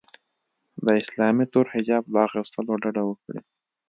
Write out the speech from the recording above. د اسلامي تور حجاب له اغوستلو ډډه وکړي